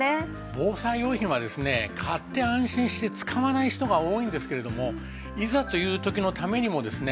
防災用品はですね買って安心して使わない人が多いんですけれどもいざという時のためにもですね